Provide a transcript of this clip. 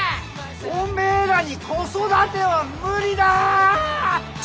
おめえらに子育ては無理だ！